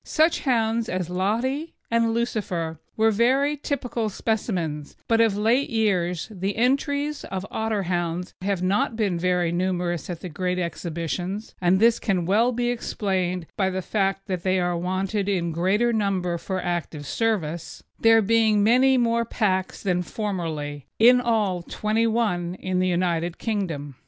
Such hounds as Lottery and Lucifer were very typical specimens; but of late years the entries of Otterhounds have not been very numerous at the great exhibitions, and this can well be explained by the fact that they are wanted in greater numbers for active service, there being many more packs than formerly in all, twenty one for the United Kingdom.